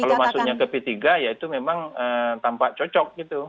kalau masuknya ke p tiga ya itu memang tampak cocok gitu